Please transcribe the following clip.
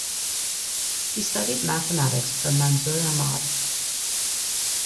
He studied mathematics from Manzoor Ahmad.